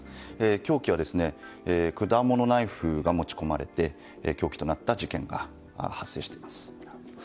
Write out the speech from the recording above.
凶器は果物ナイフが持ち込まれて凶器となった事件が発生しています。